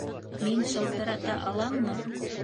Мин шылтырата аламмы?